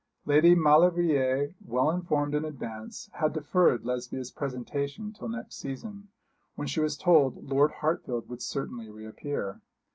Lady Maulevrier, well informed in advance, had deferred Lesbia's presentation till next season, when she was told Lord Hartfield would certainly re appear.